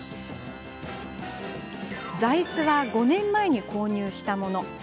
座いすは５年前に購入したもの。